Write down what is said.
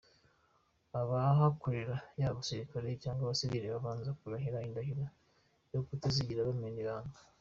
Abahakorera yaba abasirikare cyangwa abasivili babanza kurahira indahiro yo kutazigera bamena ibanga.